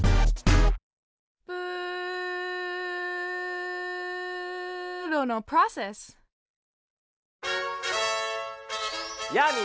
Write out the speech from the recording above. プーロのプロセスやあみんな！